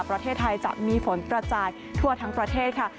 ประเทศไทยจะมีฝนกระจายทั่วทั้งประเทศค่ะ